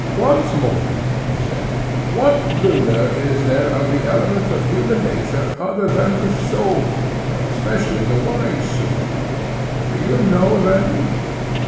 Once more, he said, what ruler is there of the elements of human nature other than the soul, and especially the wise soul? Do you know of any?